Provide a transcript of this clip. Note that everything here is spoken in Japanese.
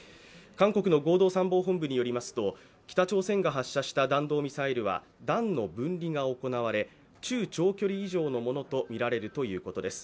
韓国の合同参謀本部によりますと、北朝鮮が発射した弾道ミサイルは、段の分離が行われ、中・長距離以上のものとみらられるということです。